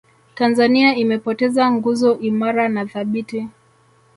tanzania imepoteza nguzo imara na thabiti